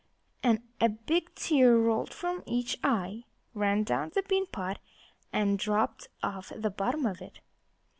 And a big tear rolled from each eye, ran down the bean pot, and dropped off the bottom of it.